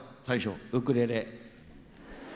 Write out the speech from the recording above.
ウクレレ。